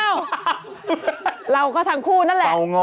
เราก็ทั้งคู่นั่นแหละ